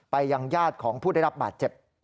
ยังญาติของผู้ได้รับบาดเจ็บ